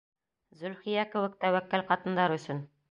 Зөлхиә кеүек тәүәккәл ҡатындар өсөн!